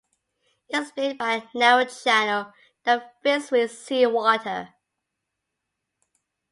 It is split by a narrow channel that fills with sea water.